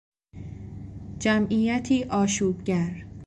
جمعیتی آشوبگر